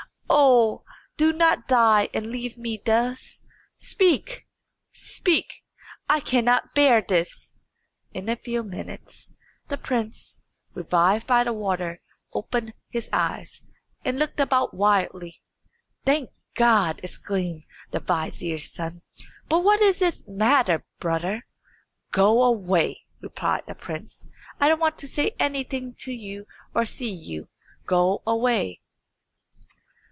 Oh! do not die and leave me thus. Speak, speak! I cannot bear this!" In a few minutes the prince, revived by the water, opened his eyes, and looked about wildly. "Thank God!" exclaimed the vizier's son. "But what is the matter, brother?" "Go away," replied the prince. "I don't want to say anything to you, or to see you. Go away."